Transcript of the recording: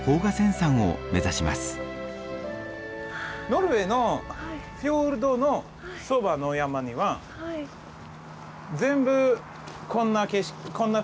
ノルウェーのフィヨルドのそばの山には全部こんなふうな景色ですよ。